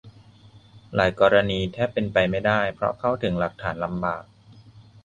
หลายกรณีแทบเป็นไปไม่ได้ เพราะเข้าถึงหลักฐานลำบาก